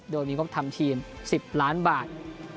โดยมีความทำชีนสิบล้านบาท